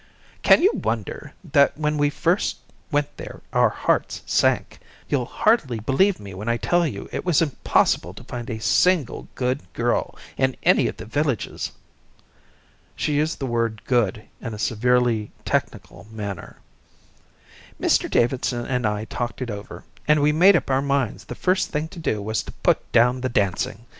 "Can you wonder that when we first went there our hearts sank? You'll hardly believe me when I tell you it was impossible to find a single good girl in any of the villages." She used the word good in a severely technical manner. "Mr Davidson and I talked it over, and we made up our minds the first thing to do was to put down the dancing.